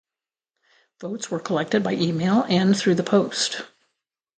Votes were collected by email and through the post.